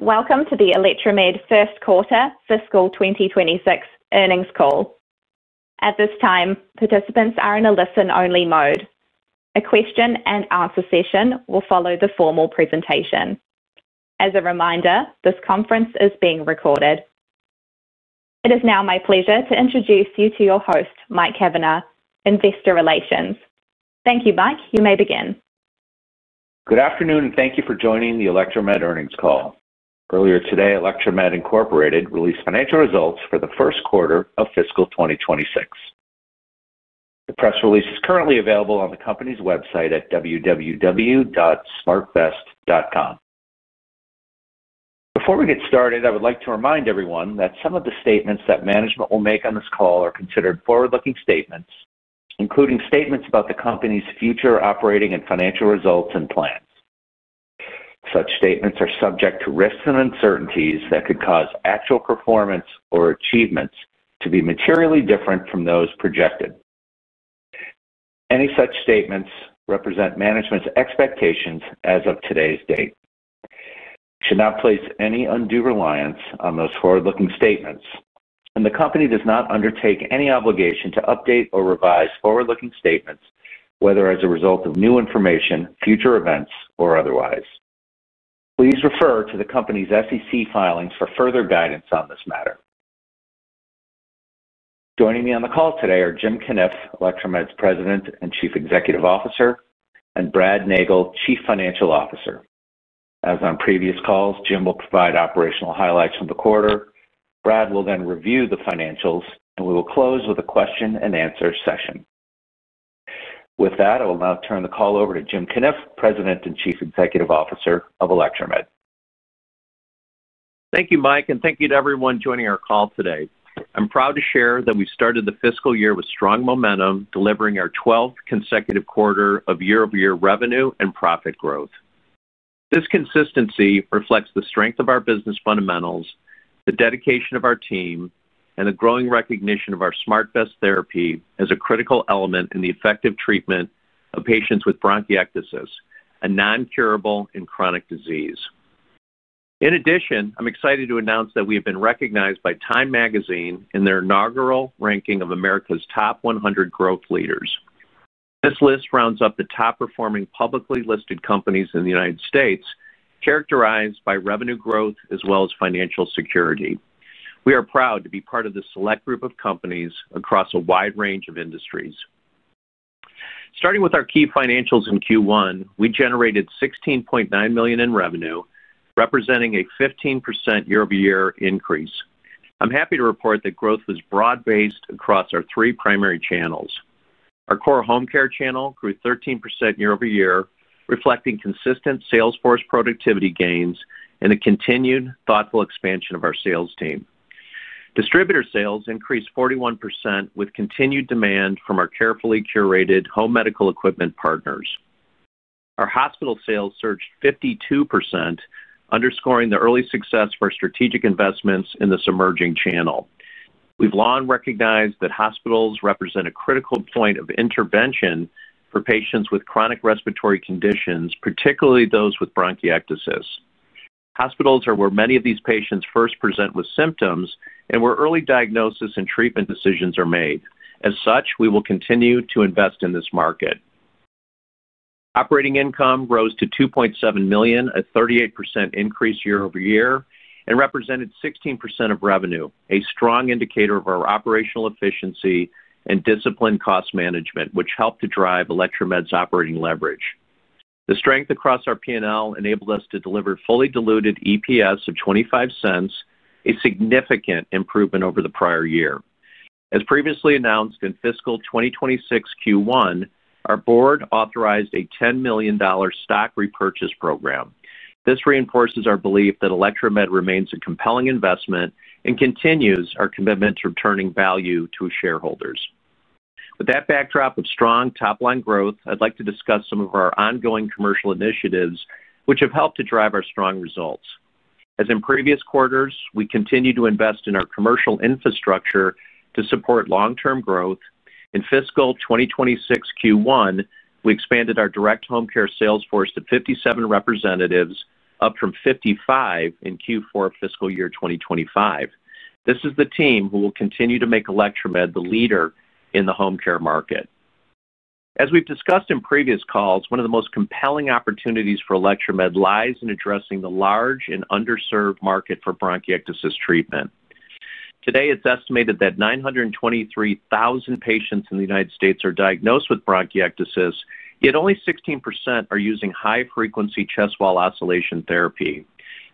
Welcome to the Electromed First Quarter Fiscal 2026 Earnings Call. At this time, participants are in a listen-only mode. A question-and-answer session will follow the formal presentation. As a reminder, this conference is being recorded. It is now my pleasure to introduce you to your host, Mike Cavanaugh, Investor Relations. Thank you, Mike. You may begin. Good afternoon, and thank you for joining the Electromed Earnings Call. Earlier today, Electromed released financial results for the first quarter of Fiscal 2026. The press release is currently available on the company's website at www.smartvest.com. Before we get started, I would like to remind everyone that some of the statements that management will make on this call are considered forward-looking statements, including statements about the company's future operating and financial results and plans. Such statements are subject to risks and uncertainties that could cause actual performance or achievements to be materially different from those projected. Any such statements represent management's expectations as of today's date. We should not place any undue reliance on those forward-looking statements, and the company does not undertake any obligation to update or revise forward-looking statements, whether as a result of new information, future events, or otherwise. Please refer to the company's SEC filings for further guidance on this matter. Joining me on the call today are Jim Cunniff, Electromed's President and Chief Executive Officer, and Brad Nagel, Chief Financial Officer. As on previous calls, Jim will provide operational highlights from the quarter. Brad will then review the financials, and we will close with a question-and-answer session. With that, I will now turn the call over to Jim Cunniff, President and Chief Executive Officer of Electromed. Thank you, Mike, and thank you to everyone joining our call today. I'm proud to share that we've started the fiscal year with strong momentum, delivering our 12th consecutive quarter of year-over-year revenue and profit growth. This consistency reflects the strength of our business fundamentals, the dedication of our team, and the growing recognition of our SmartVest therapy as a critical element in the effective treatment of patients with bronchiectasis, a non-curable and chronic disease. In addition, I'm excited to announce that we have been recognized by Time Magazine in their inaugural ranking of America's Top 100 Growth Leaders. This list rounds up the top-performing publicly listed companies in the United States, characterized by revenue growth as well as financial security. We are proud to be part of this select group of companies across a wide range of industries. Starting with our key financials in Q1, we generated $16.9 million in revenue, representing a 15% year-over-year increase. I'm happy to report that growth was broad-based across our three primary channels. Our core home care channel grew 13% year-over-year, reflecting consistent Salesforce productivity gains and a continued thoughtful expansion of our sales team. Distributor sales increased 41% with continued demand from our carefully curated home medical equipment partners. Our hospital sales surged 52%, underscoring the early success of our strategic investments in this emerging channel. We've long recognized that hospitals represent a critical point of intervention for patients with chronic respiratory conditions, particularly those with bronchiectasis. Hospitals are where many of these patients first present with symptoms and where early diagnosis and treatment decisions are made. As such, we will continue to invest in this market. Operating income rose to $2.7 million, a 38% increase year-over-year, and represented 16% of revenue, a strong indicator of our operational efficiency and disciplined cost management, which helped to drive Electromed's operating leverage. The strength across our P&L enabled us to deliver fully diluted EPS of $0.25, a significant improvement over the prior year. As previously announced in fiscal 2026 Q1, our board authorized a $10 million stock repurchase program. This reinforces our belief that Electromed remains a compelling investment and continues our commitment to returning value to shareholders. With that backdrop of strong top-line growth, I'd like to discuss some of our ongoing commercial initiatives, which have helped to drive our strong results. As in previous quarters, we continue to invest in our commercial infrastructure to support long-term growth. In fiscal 2026 Q1, we expanded our direct home care sales force to 57 representatives, up from 55 in Q4 of fiscal year 2025. This is the team who will continue to make Electromed the leader in the home care market. As we've discussed in previous calls, one of the most compelling opportunities for Electromed lies in addressing the large and underserved market for bronchiectasis treatment. Today, it's estimated that 923,000 patients in the United States are diagnosed with bronchiectasis, yet only 16% are using high-frequency chest wall oscillation therapy.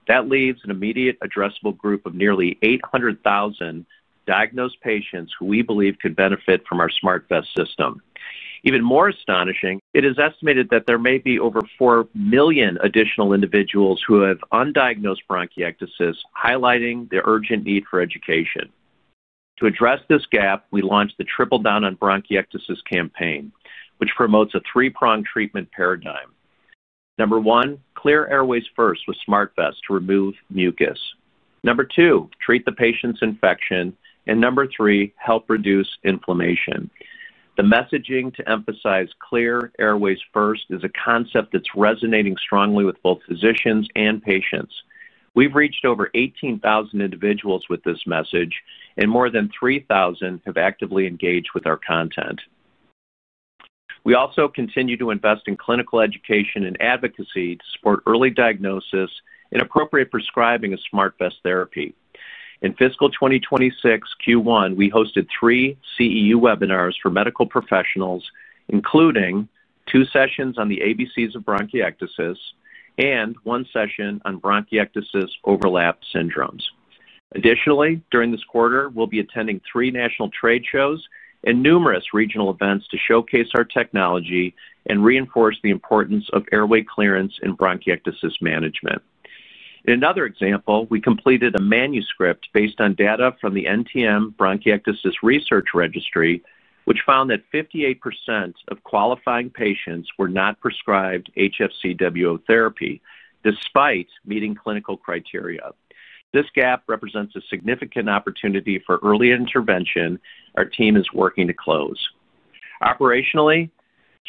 That leaves an immediate addressable group of nearly 800,000 diagnosed patients who we believe could benefit from our SmartVest system. Even more astonishing, it is estimated that there may be over 4 million additional individuals who have undiagnosed bronchiectasis, highlighting the urgent need for education. To address this gap, we launched the Triple Down on Bronchiectasis campaign, which promotes a three-pronged treatment paradigm. Number one, clear airways first with SmartVest to remove mucus. Number two, treat the patient's infection. Number three, help reduce inflammation. The messaging to emphasize clear airways first is a concept that's resonating strongly with both physicians and patients. We've reached over 18,000 individuals with this message, and more than 3,000 have actively engaged with our content. We also continue to invest in clinical education and advocacy to support early diagnosis and appropriate prescribing of SmartVest therapy. In fiscal 2026 Q1, we hosted three CEU webinars for medical professionals, including two sessions on the ABCs of bronchiectasis and one session on bronchiectasis overlap syndromes. Additionally, during this quarter, we'll be attending three national trade shows and numerous regional events to showcase our technology and reinforce the importance of airway clearance in bronchiectasis management. In another example, we completed a manuscript based on data from the NTM Bronchiectasis Research Registry, which found that 58% of qualifying patients were not prescribed HFCWO therapy despite meeting clinical criteria. This gap represents a significant opportunity for early intervention our team is working to close. Operationally,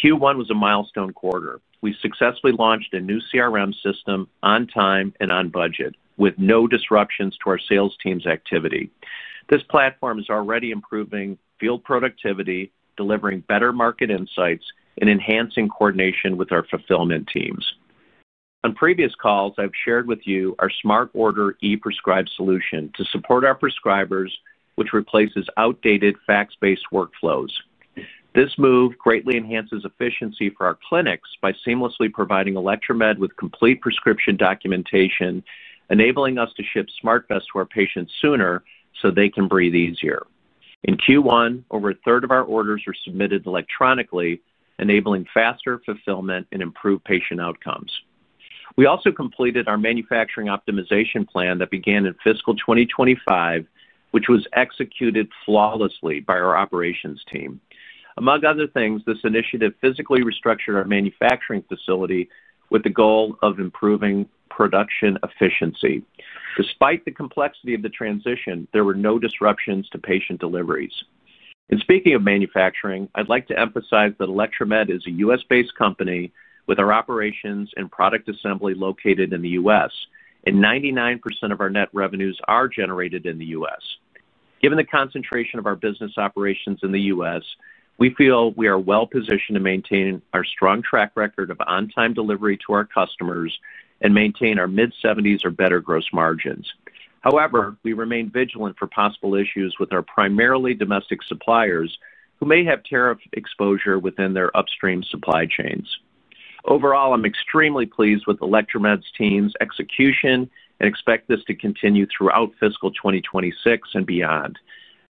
Q1 was a milestone quarter. We successfully launched a new CRM system on time and on budget, with no disruptions to our sales team's activity. This platform is already improving field productivity, delivering better market insights, and enhancing coordination with our fulfillment teams. On previous calls, I've shared with you our smart order e-prescribe solution to support our prescribers, which replaces outdated fax-based workflows. This move greatly enhances efficiency for our clinics by seamlessly providing Electromed with complete prescription documentation, enabling us to ship SmartVest to our patients sooner so they can breathe easier. In Q1, over a third of our orders were submitted electronically, enabling faster fulfillment and improved patient outcomes. We also completed our manufacturing optimization plan that began in fiscal 2025, which was executed flawlessly by our operations team. Among other things, this initiative physically restructured our manufacturing facility with the goal of improving production efficiency. Despite the complexity of the transition, there were no disruptions to patient deliveries. I would like to emphasize that Electromed is a U.S.-based company with our operations and product assembly located in the U.S., and 99% of our net revenues are generated in the U.S. Given the concentration of our business operations in the U.S., we feel we are well-positioned to maintain our strong track record of on-time delivery to our customers and maintain our mid-70% or better gross margins. However, we remain vigilant for possible issues with our primarily domestic suppliers who may have tariff exposure within their upstream supply chains. Overall, I'm extremely pleased with Electromed's team's execution and expect this to continue throughout fiscal 2026 and beyond.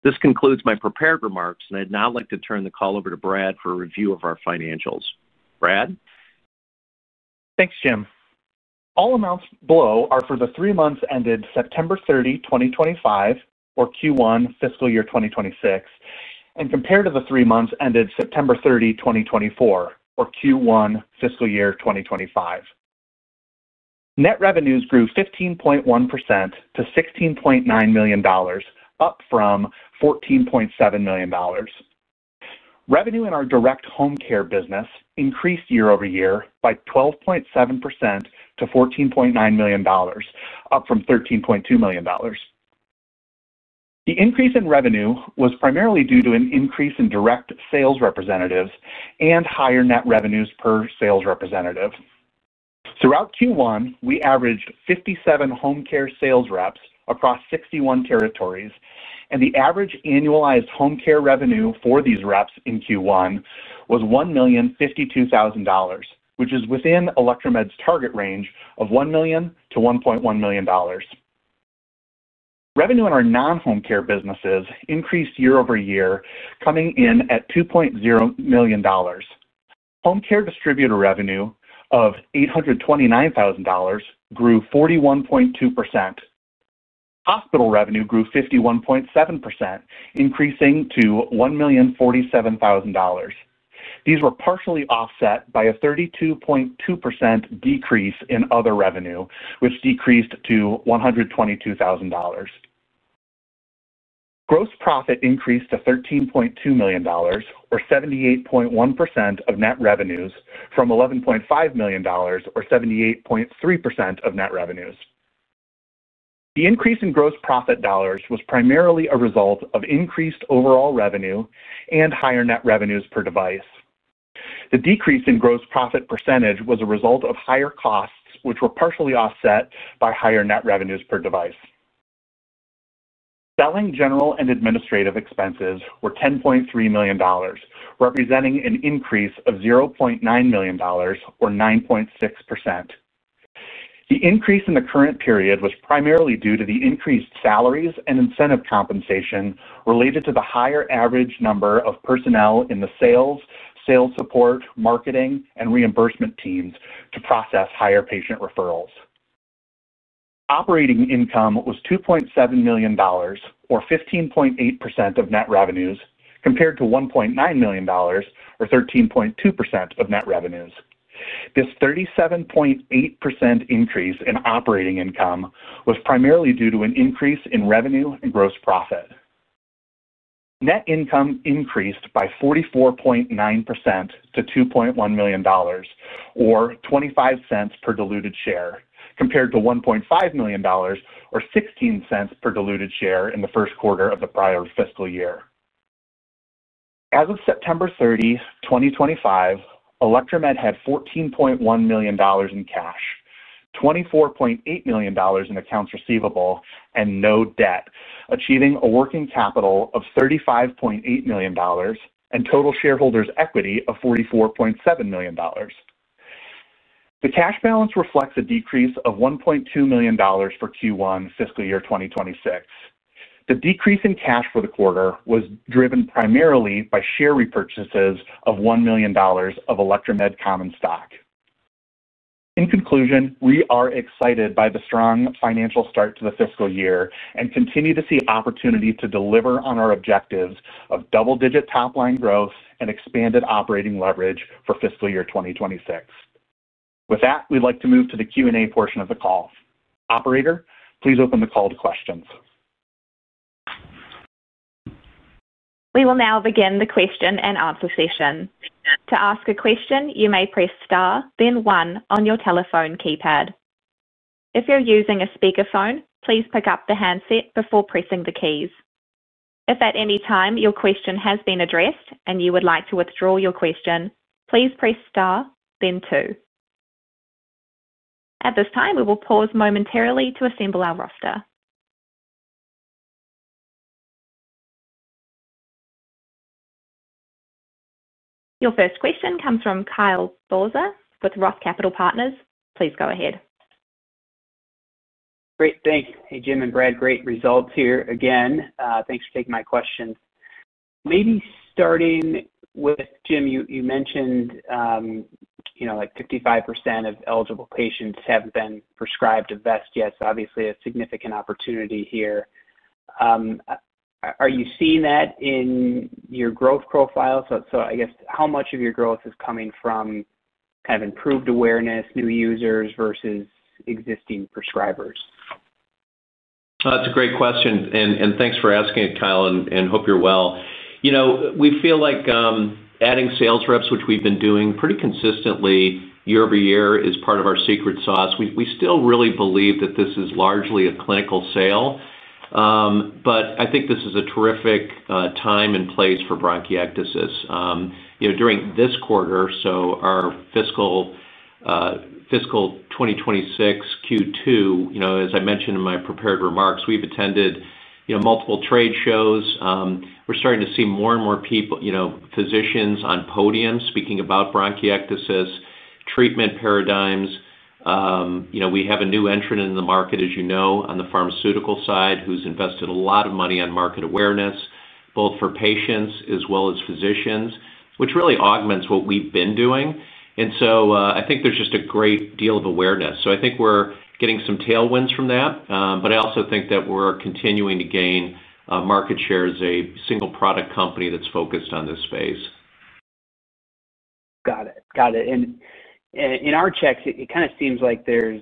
This concludes my prepared remarks, and I'd now like to turn the call over to Brad for a review of our financials. Brad. Thanks, Jim. All amounts below are for the three months ended September 30, 2025, or Q1 fiscal year 2026, and compared to the three months ended September 30, 2024, or Q1 fiscal year 2025. Net revenues grew 15.1% to $16.9 million, up from $14.7 million. Revenue in our direct home care business increased year-over-year by 12.7% to $14.9 million, up from $13.2 million. The increase in revenue was primarily due to an increase in direct sales representatives and higher net revenues per sales representative. Throughout Q1, we averaged 57 home care sales reps across 61 territories, and the average annualized home care revenue for these reps in Q1 was $1,052,000, which is within Electromed's target range of $1 million-$1.1 million. Revenue in our non-home care businesses increased year-over-year, coming in at $2.0 million. Home care distributor revenue of $829,000 grew 41.2%. Hospital revenue grew 51.7%, increasing to $1,047,000. These were partially offset by a 32.2% decrease in other revenue, which decreased to $122,000. Gross profit increased to $13.2 million, or 78.1% of net revenues, from $11.5 million, or 78.3% of net revenues. The increase in gross profit dollars was primarily a result of increased overall revenue and higher net revenues per device. The decrease in gross profit percentage was a result of higher costs, which were partially offset by higher net revenues per device. Selling, general and administrative expenses were $10.3 million, representing an increase of $0.9 million, or 9.6%. The increase in the current period was primarily due to the increased salaries and incentive compensation related to the higher average number of personnel in the sales, sales support, marketing, and reimbursement teams to process higher patient referrals. Operating income was $2.7 million, or 15.8% of net revenues, compared to $1.9 million, or 13.2% of net revenues. This 37.8% increase in operating income was primarily due to an increase in revenue and gross profit. Net income increased by 44.9% to $2.1 million, or $0.25 per diluted share, compared to $1.5 million, or $0.16 per diluted share in the first quarter of the prior fiscal year. As of September 30, 2025, Electromed had $14.1 million in cash, $24.8 million in accounts receivable, and no debt, achieving a working capital of $35.8 million and total shareholders' equity of $44.7 million. The cash balance reflects a decrease of $1.2 million for Q1 fiscal year 2026. The decrease in cash for the quarter was driven primarily by share repurchases of $1 million of Electromed common stock. In conclusion, we are excited by the strong financial start to the fiscal year and continue to see opportunity to deliver on our objectives of double-digit top-line growth and expanded operating leverage for fiscal year 2026. With that, we'd like to move to the Q&A portion of the call. Operator, please open the call to questions. We will now begin the question and answer session. To ask a question, you may press star, then one on your telephone keypad. If you're using a speakerphone, please pick up the handset before pressing the keys. If at any time your question has been addressed and you would like to withdraw your question, please press star, then two. At this time, we will pause momentarily to assemble our roster. Your first question comes from Kyle Bauser with ROTH Capital Partners. Please go ahead. Great. Thanks. Hey, Jim and Brad. Great results here again. Thanks for taking my question. Maybe starting with, Jim, you mentioned like 55% of eligible patients have been prescribed a vest. Yes, obviously a significant opportunity here. Are you seeing that in your growth profile? I guess how much of your growth is coming from kind of improved awareness, new users versus existing prescribers? That's a great question. Thanks for asking it, Kyle, and hope you're well. We feel like adding sales reps, which we've been doing pretty consistently year-over-year, is part of our secret sauce. We still really believe that this is largely a clinical sale. I think this is a terrific time and place for bronchiectasis. During this quarter, so our fiscal 2026 Q2, as I mentioned in my prepared remarks, we've attended multiple trade shows. We're starting to see more and more physicians on podiums speaking about bronchiectasis, treatment paradigms. We have a new entrant in the market, as you know, on the pharmaceutical side, who's invested a lot of money on market awareness, both for patients as well as physicians, which really augments what we've been doing. I think there's just a great deal of awareness. I think we're getting some tailwinds from that, but I also think that we're continuing to gain market share as a single product company that's focused on this space. Got it. Got it. In our checks, it kind of seems like there's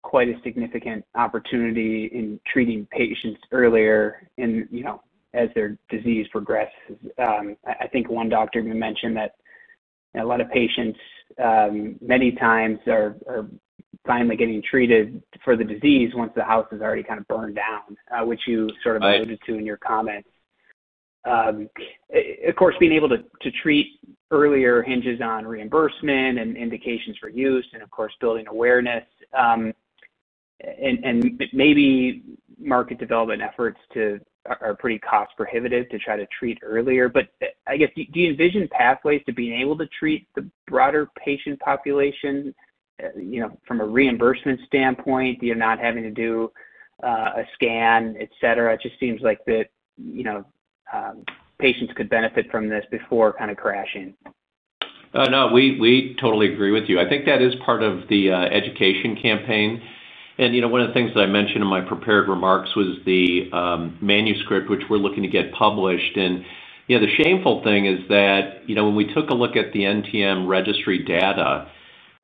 quite a significant opportunity in treating patients earlier as their disease progresses. I think one doctor even mentioned that a lot of patients many times are finally getting treated for the disease once the house is already kind of burned down, which you sort of alluded to in your comments. Of course, being able to treat earlier hinges on reimbursement and indications for use, and of course, building awareness and maybe market development efforts are pretty cost-prohibitive to try to treat earlier. I guess, do you envision pathways to being able to treat the broader patient population from a reimbursement standpoint? Do you not have to do a scan, etc.? It just seems like patients could benefit from this before kind of crashing. No, we totally agree with you. I think that is part of the education campaign. One of the things that I mentioned in my prepared remarks was the manuscript, which we are looking to get published. The shameful thing is that when we took a look at the NTM Registry data,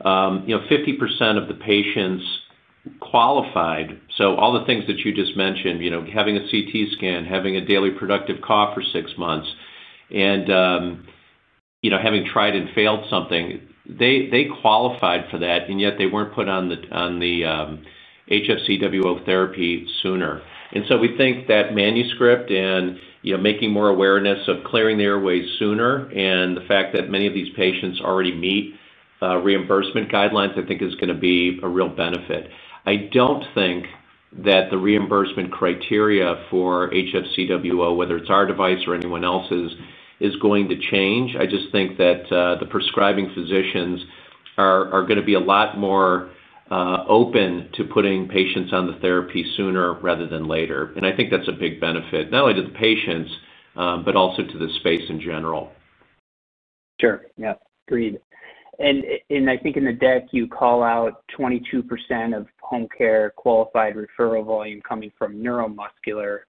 50% of the patients qualified. All the things that you just mentioned, having a CT scan, having a daily productive cough for six months, and having tried and failed something, they qualified for that, yet they were not put on the HFCWO therapy sooner. We think that manuscript and making more awareness of clearing the airways sooner and the fact that many of these patients already meet reimbursement guidelines, I think is going to be a real benefit. I don't think that the reimbursement criteria for HFCWO, whether it's our device or anyone else's, is going to change. I just think that the prescribing physicians are going to be a lot more open to putting patients on the therapy sooner rather than later. I think that's a big benefit, not only to the patients, but also to the space in general. Sure. Yeah. Agreed. I think in the deck, you call out 22% of home care qualified referral volume coming from neuromuscular.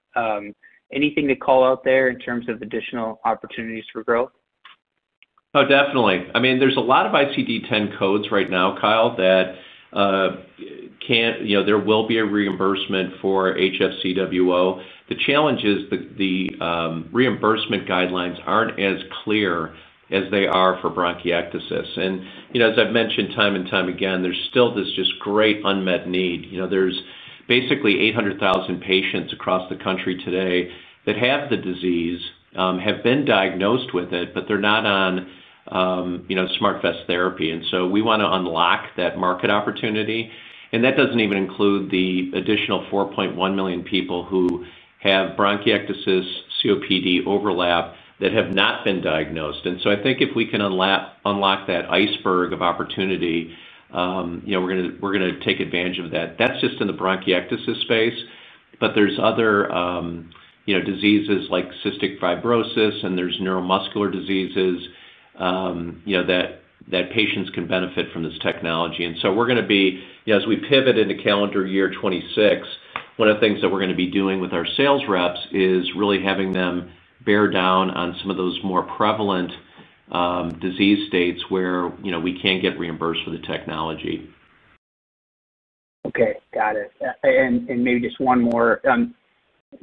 Anything to call out there in terms of additional opportunities for growth? Oh, definitely. I mean, there's a lot of ICD-10 codes right now, Kyle, that there will be a reimbursement for HFCWO. The challenge is the reimbursement guidelines aren't as clear as they are for bronchiectasis. As I've mentioned time and time again, there's still this just great unmet need. There's basically 800,000 patients across the country today that have the disease, have been diagnosed with it, but they're not on SmartVest therapy. We want to unlock that market opportunity. That doesn't even include the additional 4.1 million people who have bronchiectasis, COPD overlap that have not been diagnosed. I think if we can unlock that iceberg of opportunity, we're going to take advantage of that. That's just in the bronchiectasis space, but there are other diseases like cystic fibrosis, and there are neuromuscular diseases that patients can benefit from this technology. We are going to be, as we pivot into calendar year 2026, one of the things that we are going to be doing with our sales reps is really having them bear down on some of those more prevalent disease states where we cannot get reimbursed for the technology. Okay. Got it. Maybe just one more.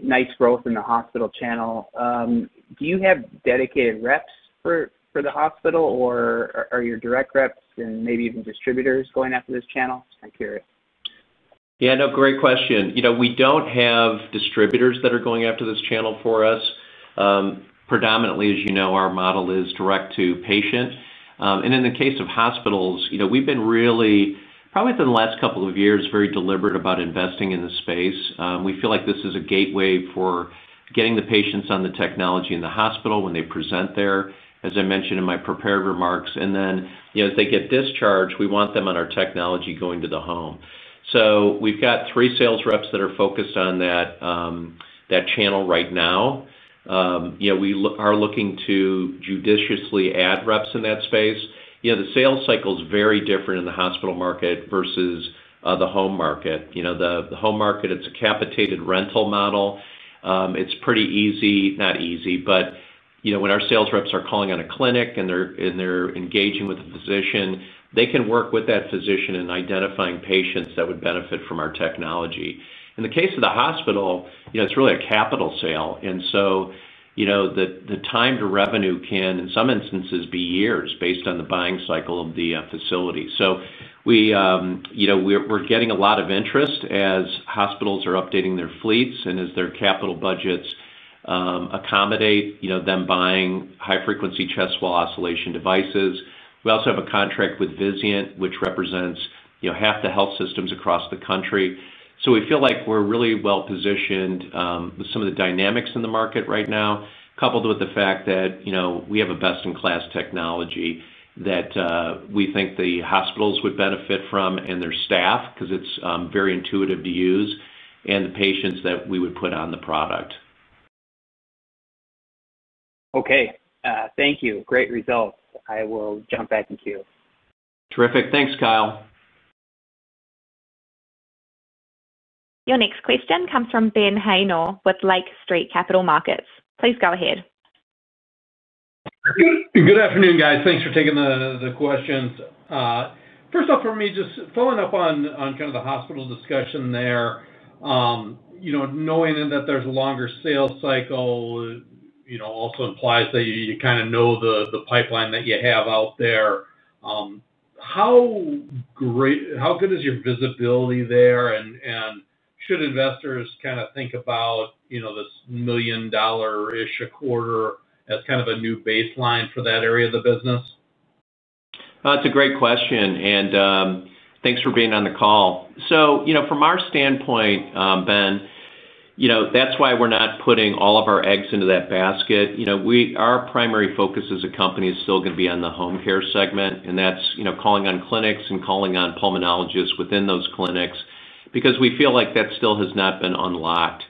Nice growth in the hospital channel. Do you have dedicated reps for the hospital, or are your direct reps and maybe even distributors going after this channel? Just kind of curious. Yeah. No, great question. We do not have distributors that are going after this channel for us. Predominantly, as you know, our model is direct to patient. In the case of hospitals, we have been really, probably for the last couple of years, very deliberate about investing in the space. We feel like this is a gateway for getting the patients on the technology in the hospital when they present there, as I mentioned in my prepared remarks. As they get discharged, we want them on our technology going to the home. We have three sales reps that are focused on that channel right now. We are looking to judiciously add reps in that space. The sales cycle is very different in the hospital market versus the home market. The home market, it is a capitated rental model. It's pretty easy—not easy—but when our sales reps are calling on a clinic and they're engaging with a physician, they can work with that physician in identifying patients that would benefit from our technology. In the case of the hospital, it's really a capital sale. The time to revenue can, in some instances, be years based on the buying cycle of the facility. We're getting a lot of interest as hospitals are updating their fleets and as their capital budgets accommodate them buying high-frequency chest wall oscillation devices. We also have a contract with Vizient, which represents half the health systems across the country. We feel like we're really well-positioned with some of the dynamics in the market right now, coupled with the fact that we have a best-in-class technology that we think the hospitals would benefit from and their staff because it's very intuitive to use and the patients that we would put on the product. Okay. Thank you. Great results. I will jump back in queue. Terrific. Thanks, Kyle. Your next question comes from Ben Haynor with Lake Street Capital Markets. Please go ahead. Good afternoon, guys. Thanks for taking the questions. First off, for me, just following up on kind of the hospital discussion there, knowing that there is a longer sales cycle also implies that you kind of know the pipeline that you have out there. How good is your visibility there? Should investors kind of think about this $1 million-ish a quarter as kind of a new baseline for that area of the business? That's a great question. Thanks for being on the call. From our standpoint, Ben, that's why we're not putting all of our eggs into that basket. Our primary focus as a company is still going to be on the home care segment, and that's calling on clinics and calling on pulmonologists within those clinics because we feel like that still has not been unlocked.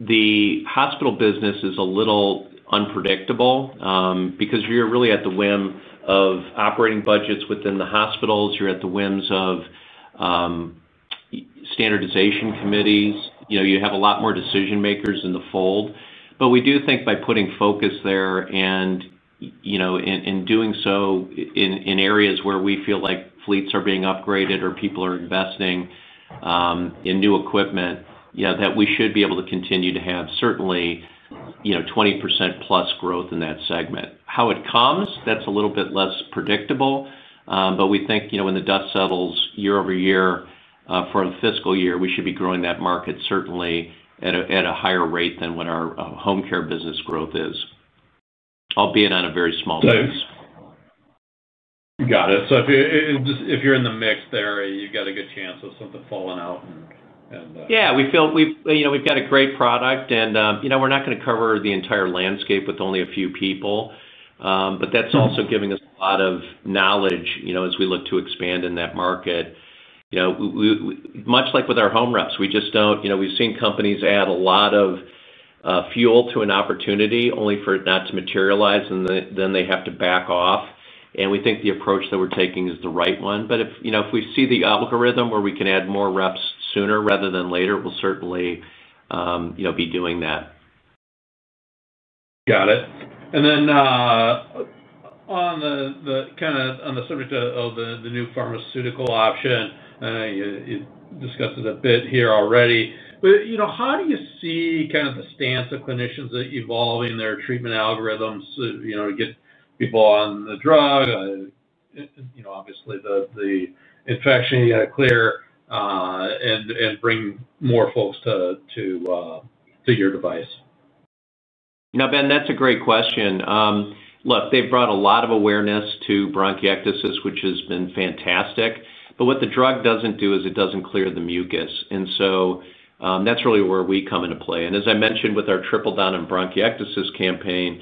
The hospital business is a little unpredictable because you're really at the whim of operating budgets within the hospitals. You're at the whims of standardization committees. You have a lot more decision-makers in the fold. We do think by putting focus there and doing so in areas where we feel like fleets are being upgraded or people are investing in new equipment, that we should be able to continue to have certainly 20%+ growth in that segment. How it comes, that's a little bit less predictable. We think when the dust settles year-over-year for the fiscal year, we should be growing that market certainly at a higher rate than what our home care business growth is, albeit on a very small basis. Got it. If you're in the mixed area, you've got a good chance of something falling out. Yeah. We've got a great product, and we're not going to cover the entire landscape with only a few people, but that's also giving us a lot of knowledge as we look to expand in that market. Much like with our home reps, we just don't—we've seen companies add a lot of fuel to an opportunity only for it not to materialize, and they have to back off. We think the approach that we're taking is the right one. If we see the algorithm where we can add more reps sooner rather than later, we'll certainly be doing that. Got it. And then kind of on the subject of the new pharmaceutical option, you discussed it a bit here already. How do you see kind of the stance of clinicians evolving their treatment algorithms to get people on the drug, obviously the infection you got to clear, and bring more folks to your device? No, Ben, that's a great question. Look, they've brought a lot of awareness to bronchiectasis, which has been fantastic. What the drug doesn't do is it doesn't clear the mucus. That is really where we come into play. As I mentioned with our Triple Down on Bronchiectasis campaign,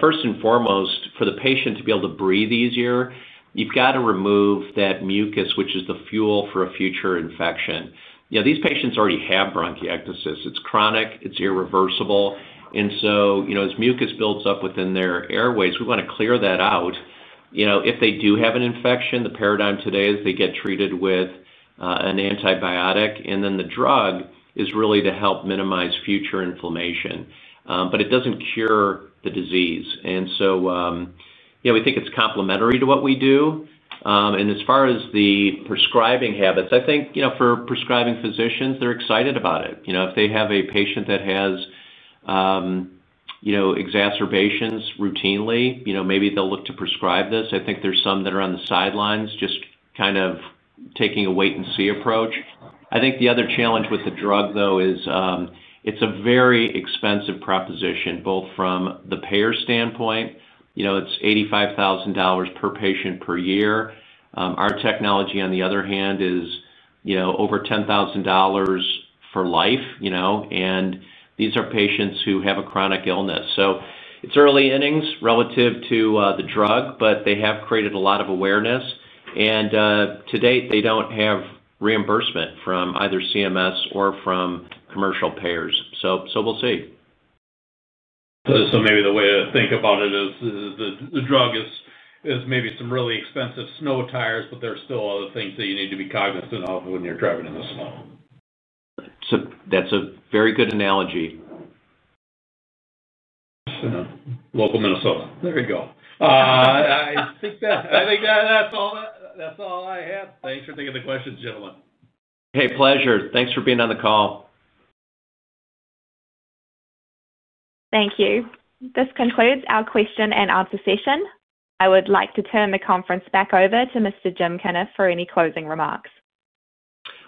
first and foremost, for the patient to be able to breathe easier, you've got to remove that mucus, which is the fuel for a future infection. These patients already have bronchiectasis. It's chronic. It's irreversible. As mucus builds up within their airways, we want to clear that out. If they do have an infection, the paradigm today is they get treated with an antibiotic, and then the drug is really to help minimize future inflammation. It doesn't cure the disease. We think it's complementary to what we do. As far as the prescribing habits, I think for prescribing physicians, they're excited about it. If they have a patient that has exacerbations routinely, maybe they'll look to prescribe this. I think there's some that are on the sidelines, just kind of taking a wait-and-see approach. I think the other challenge with the drug, though, is it's a very expensive proposition, both from the payer standpoint. It's $85,000 per patient per year. Our technology, on the other hand, is over $10,000 for life. These are patients who have a chronic illness. It is early innings relative to the drug, but they have created a lot of awareness. To date, they do not have reimbursement from either CMS or from commercial payers. We'll see. Maybe the way to think about it is the drug is maybe some really expensive snow tires, but there are still other things that you need to be cognizant of when you're driving in the snow. That's a very good analogy. Local Minnesota. There you go. I think that's all I have. Thanks for taking the questions, gentlemen. Hey, pleasure. Thanks for being on the call. Thank you. This concludes our question-and-answer session. I would like to turn the conference back over to Mr. Jim Cunniff for any closing remarks.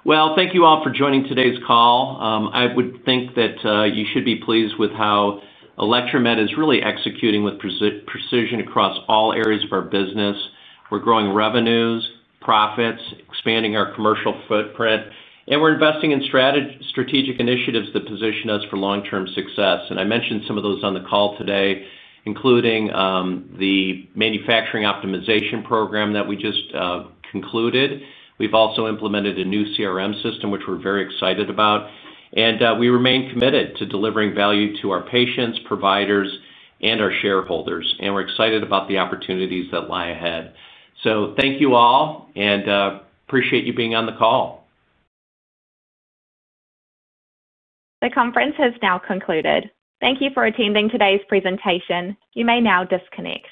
Thank you all for joining today's call. I would think that you should be pleased with how Electromed is really executing with precision across all areas of our business. We're growing revenues, profits, expanding our commercial footprint, and we're investing in strategic initiatives that position us for long-term success. I mentioned some of those on the call today, including the manufacturing optimization program that we just concluded. We've also implemented a new CRM system, which we're very excited about. We remain committed to delivering value to our patients, providers, and our shareholders. We're excited about the opportunities that lie ahead. Thank you all, and appreciate you being on the call. The conference has now concluded. Thank you for attending today's presentation. You may now disconnect.